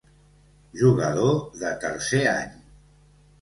Jugador de tercer any.